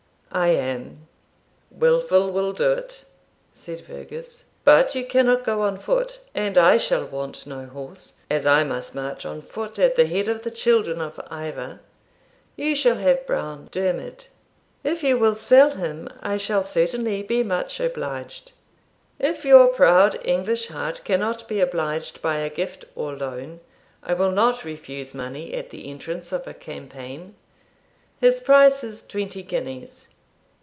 'I am.' 'Wilful will do't' said Fergus. 'But you cannot go on foot, and I shall want no horse, as I must march on foot at the head of the children of Ivor; you shall have brown Dermid.' 'If you will sell him, I shall certainly be much obliged.' 'If your proud English heart cannot be obliged by a gift or loan, I will not refuse money at the entrance of a campaign: his price is twenty guineas.